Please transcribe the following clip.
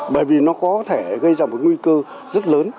bởi vì nó có thể gây ra một nguy cơ rất lớn